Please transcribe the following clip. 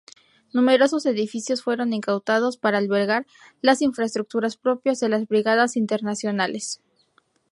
Numerosos edificios fueron incautados para albergar las infraestructuras propias de las Brigadas Internacionales.